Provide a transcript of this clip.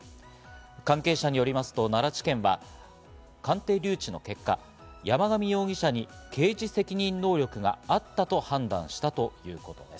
関係者によりますと奈良地検は鑑定留置の結果、山上容疑者に刑事責任能力があったと判断したということです。